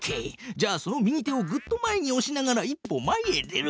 じゃあその右手をぐっと前におしながら一歩前へ出る。